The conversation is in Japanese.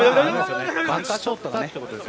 バンカーショットがね